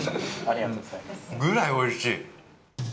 ぐらいおいしい。